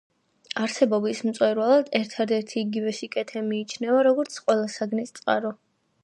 არსებობის მწვერვალად ერთადერთი იგივე სიკეთე მიიჩნევა, როგორც ყველა საგნის წყარო.